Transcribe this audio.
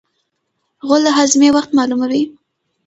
غول د هاضمې وخت معلوموي.